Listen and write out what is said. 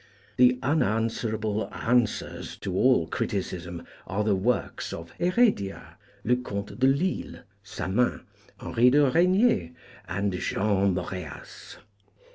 The unanswerable answers to all criticism are the works of Her^dia, Leconte de Lisle, Samain, Henri de Re"gnier, and Jean Moreas.